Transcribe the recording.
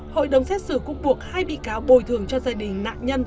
hội đồng xét xử cũng buộc hai bị cáo bồi thường cho gia đình nạn nhân